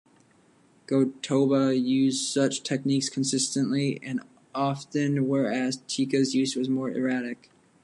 Go-Toba used such techniques consistently and often, whereas Teika's use was more erratic.